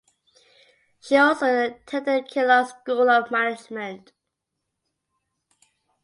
She also attended the Kellogg School of Management.